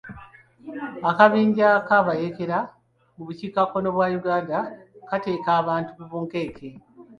Akabinja k'abayeekera mu bukiikakkono bwa Uganda kateeka abantu ku bunkenke.